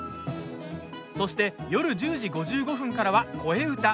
そして、夜１０時５５分からは「こえうた」。